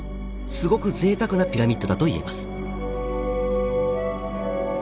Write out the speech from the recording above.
すごくぜいたくなピラミッドだと言えます。